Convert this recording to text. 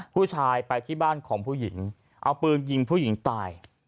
ผู้ชายไปที่บ้านของผู้หญิงเอาปืนยิงผู้หญิงตาย